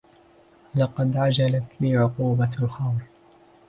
قد عجلت لي عقوبة الخور